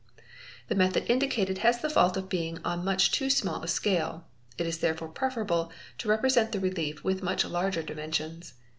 | The method indicated has the fault of being on much too small a seale, it is therefore preferable to represent the relief with much larger dimensions.